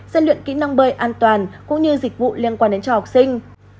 gian luyện kỹ năng bơi an toàn cũng như dịch vụ liên quan đến cho học sinh